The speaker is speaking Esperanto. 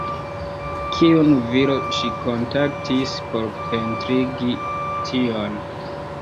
Kiun viron ŝi kontaktis por pentrigi tion?